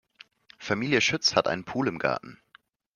Familie Schütz hat einen Pool im Garten.